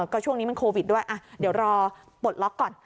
ก็ช่วงนี้มันโควิดด้วยเดี๋ยวรอปลดล็อกก่อน